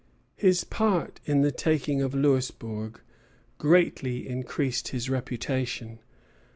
His part in the taking of Louisbourg greatly increased his reputation.